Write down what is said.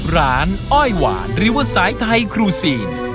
ร้านอ้อยหวานริเวอร์ไซต์ไทยครูซีน